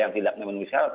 yang tidak memang bisa